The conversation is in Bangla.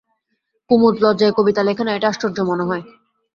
কুমুদ লজ্জায় কবিতা লেখে না, এটা আশ্চর্য মনে হয়।